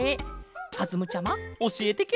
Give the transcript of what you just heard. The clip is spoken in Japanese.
かずむちゃまおしえてケロ！